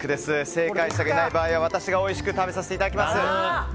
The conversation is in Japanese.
正解者がいない場合は私がおいしく食べさせていただきます。